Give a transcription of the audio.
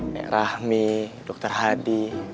kayak rahmi dokter hadi